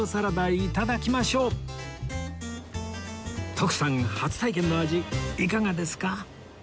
徳さん初体験の味いかがですか？